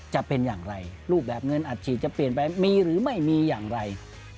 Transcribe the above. จะเป็นอย่างไรรูปแบบเงินอัดฉีดจะเปลี่ยนไปมีหรือไม่มีอย่างไร